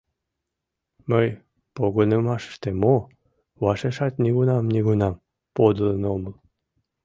Мый погынымашыште мо, вашешат нигунам-нигунам подылын омыл.